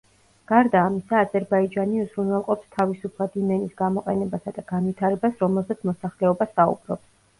გარდა ამისა, აზერბაიჯანი უზრუნველყოფს თავისუფლად იმ ენის გამოყენებასა და განვითარებას, რომელზეც მოსახლეობა საუბრობს.